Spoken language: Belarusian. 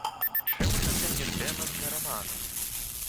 Чым гэта не тэма для раману?